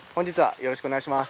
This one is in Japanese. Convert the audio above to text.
よろしくお願いします。